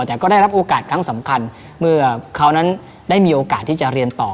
แต่ก็ได้รับโอกาสครั้งสำคัญเมื่อเขานั้นได้มีโอกาสที่จะเรียนต่อ